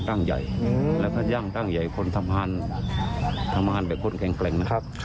ร่างใหญ่และถ้าย่างร่างใหญ่คนทำหารแบบคนแข็ง